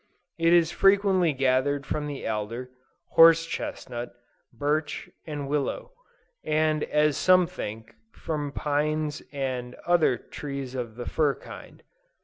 It is frequently gathered from the alder, horse chestnut, birch, and willow; and as some think, from pines and other trees of the fir kind.